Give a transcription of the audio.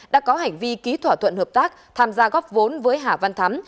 đã có hành vi ký thỏa thuận hợp tác tham gia góp vốn với hà văn thắm